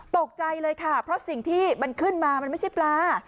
ตกใจเลยค่ะเพราะสิ่งที่มันขึ้นมามันไม่ใช่ปลา